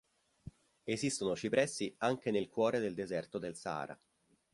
Esistono cipressi anche nel cuore del deserto del Sahara.